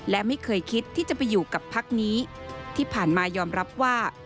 และไม่เคยคิดที่จะไปอยู่กับพักนี้ที่ผ่านมายอมรับว่า